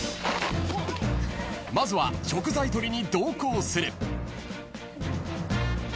［まずは食材とりに同行する］